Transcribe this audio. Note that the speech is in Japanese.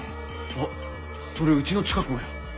あっそれうちの近くもや。